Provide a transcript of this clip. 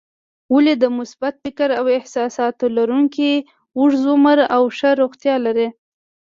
ولې د مثبت فکر او احساساتو لرونکي اوږد عمر او ښه روغتیا لري؟